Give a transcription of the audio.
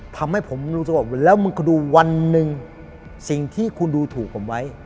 ทำให้ผมรู้สึกว่าแล้วมึงก็ดูวันหนึ่งสิ่งที่คุณดูถูกผมไว้